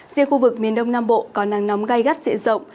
riêng khu vực miền đông nam bộ có năng nóng gai gắt dễ rộng